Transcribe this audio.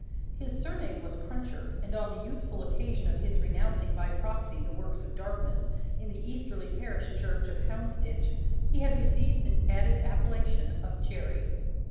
His surname was Cruncher, and on the youthful occasion of his renouncing by proxy the works of darkness, in the easterly parish church of Hounsditch, he had received the added appellation of Jerry.